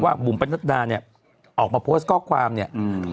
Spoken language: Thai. บุ๋มประนัดดาเนี่ยออกมาโพสต์ข้อความเนี่ยอืม